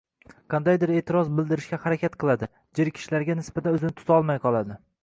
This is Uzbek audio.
Qandaydir e’tiroz bildirishga harakat qiladi, jerkishlarga nisbatan o‘zini tutolmay qoladi